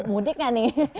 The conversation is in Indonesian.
mudik gak nih